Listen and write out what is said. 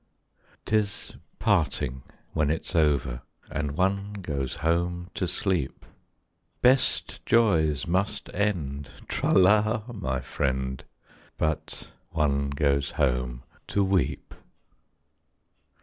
'Tis parting when it's over, And one goes home to sleep; Best joys must end, tra la, my friend, But one goes home to weep!